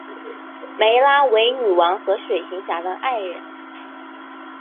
湄拉为女王和水行侠的爱人。